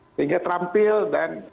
sehingga terampil dan